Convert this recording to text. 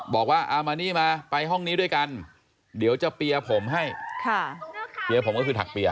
บอกว่าเอามานี่มาไปห้องนี้ด้วยกันเดี๋ยวจะเปียร์ผมให้ค่ะเปียร์ผมก็คือถักเปีย